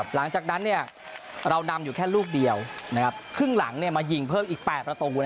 หลังจากนั้นเรานำอยู่แค่ลูกเดียวครึ่งหลังมายิงเพิ่มอีก๘ประตู